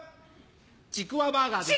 ちくわバーガーです。